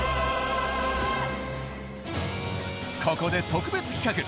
ここで特別企画。